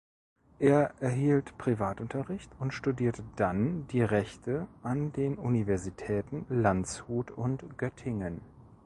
Er erhielt Privatunterricht und studierte dann die Rechte an den Universitäten Landshut und Göttingen.